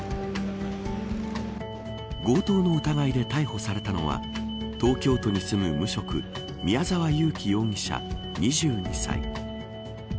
強盗の疑いで逮捕されたのは東京都に住む無職宮沢優樹容疑者、２２歳。